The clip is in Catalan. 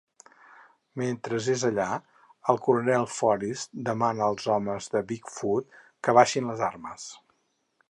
Mentre és allà, el coronel Forsyth demana als homes de Big Foot que baixin les armes.